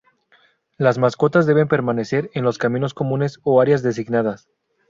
Las mascotas deben permanecer en los caminos comunes o áreas designadas.